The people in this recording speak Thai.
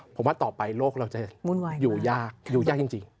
ผมว่าต่อไปโลกเราจะอยู่ยากอยู่ยากจริง